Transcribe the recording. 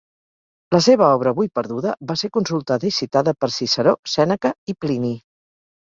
La seva obra, avui perduda, va ser consultada i citada per Ciceró, Sèneca i Plini.